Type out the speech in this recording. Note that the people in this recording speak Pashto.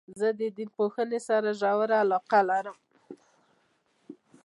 زه د دین پوهني سره ژوره علاقه لرم.